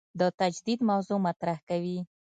د تجدید موضوع مطرح کوي.